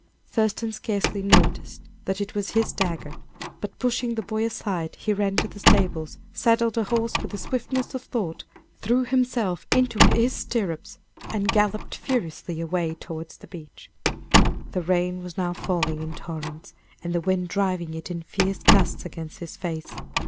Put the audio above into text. Thurston scarcely noticed that it was his dagger, but pushing the boy aside, he ran to the stables, saddled a horse with the swiftness of thought, threw himself into his stirrups, and galloped furiously away towards the beach. The rain was now falling in torrents, and the wind driving it in fierce gusts against his face.